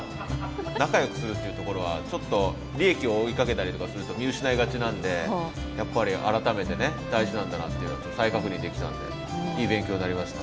仲よくするっていうところはちょっと利益を追いかけたりとかすると見失いがちなんでやっぱり改めてね大事なんだなっていうのを再確認できたんでいい勉強になりました。